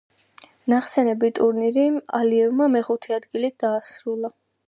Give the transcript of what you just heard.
ნახსენები ტურნირი ალიევმა მეხუთე ადგილით დაასრულა.